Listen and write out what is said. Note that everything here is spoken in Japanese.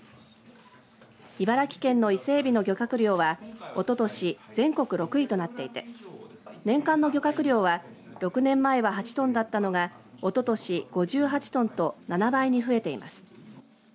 茨城県の伊勢えびの漁獲量はおととし、全国６位となっていて年間の漁獲量は６年前は８トンだったのがおととしは５８トンと７倍に増えています。